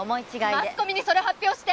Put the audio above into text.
マスコミにそれ発表して！